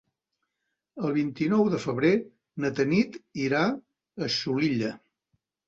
El vint-i-nou de febrer na Tanit irà a Xulilla.